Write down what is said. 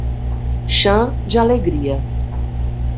Chã de Alegria